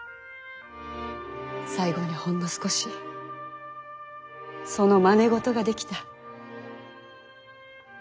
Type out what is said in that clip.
最後にほんの少しそのまね事ができた。